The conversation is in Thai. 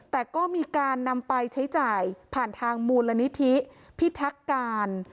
แต่ก็มีการนำไปใช้จ่ายผ่านทางมูลนิธิพิทักการ